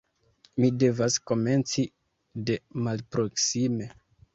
Mi devas komenci de malproksime.